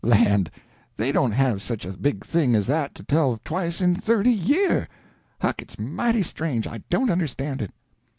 Land, they don't have such a big thing as that to tell twice in thirty year! Huck, it's mighty strange; I don't understand it."